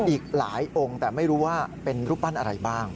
อีกหลายองค์แต่ไม่รู้ว่าเป็นรูปปั้นอะไรบ้าง